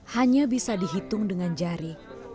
hanya bisa dihitung dengan jari